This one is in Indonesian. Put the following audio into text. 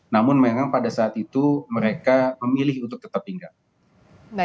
namun memang pada saat itu mereka memilih untuk tetap tinggal